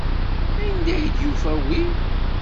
Anda ay d-yufa wi?